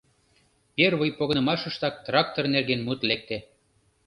Первый погынымашыштак трактор нерген мут лекте.